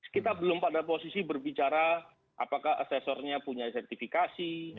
kita belum pada posisi berbicara apakah asesornya punya sertifikasi